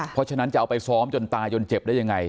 เพราะฉะนั้นจะเอาไปซ้อมจนตายจนเจ็บได้ยังไง